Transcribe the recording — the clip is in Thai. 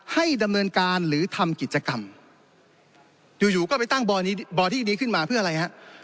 ให้ดำเนินการหรือทำกิจกรรมอยู่อยู่ก็ไปตั้งบอดี้นี้ขึ้นมาเพื่ออะไรฮะ